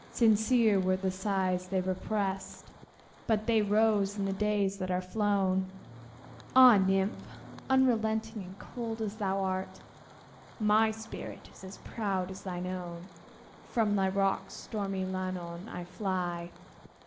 Sincere were the sighs they represt, But they rose in the days that are flown! Ah, nymph! unrelenting and cold as thou art, My spirit is proud as thine own! From thy rocks, stormy Llannon, I fly.